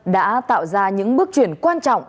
đã tạo ra những bước chuyển quan trọng